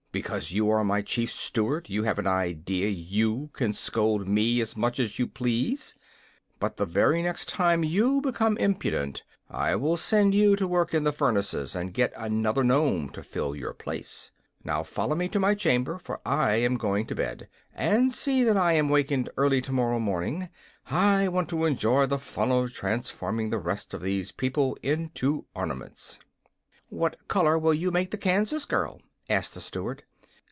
"Because you are my Chief Steward you have an idea you can scold me as much as you please. But the very next time you become impudent, I will send you to work in the furnaces, and get another Nome to fill your place. Now follow me to my chamber, for I am going to bed. And see that I am wakened early tomorrow morning. I want to enjoy the fun of transforming the rest of these people into ornaments." "What color will you make the Kansas girl?" asked the Steward.